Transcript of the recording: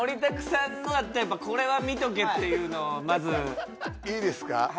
さんのだったらやっぱこれは見とけっていうのをまずいいですか？